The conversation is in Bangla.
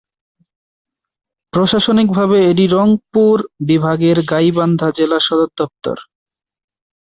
প্রশাসনিকভাবে এটি রংপুর বিভাগের গাইবান্ধা জেলার সদরদপ্তর।